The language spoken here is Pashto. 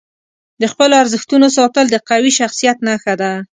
د خپلو ارزښتونو ساتل د قوي شخصیت نښه ده.